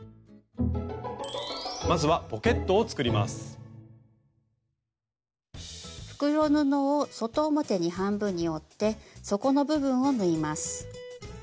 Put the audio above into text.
まずは袋布を外表に半分に折って底の部分を縫います。